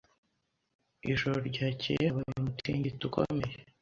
Ijoro ryakeye habaye umutingito ukomeye.